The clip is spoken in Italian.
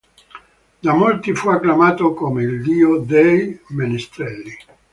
Da molti fu acclamato come il dio dei menestrelli.